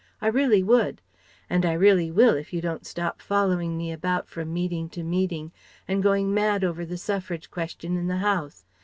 I really would; and I really will if you don't stop following me about from meeting to meeting and going mad over the Suffrage question in the House.